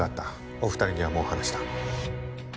お二人にはもう話した。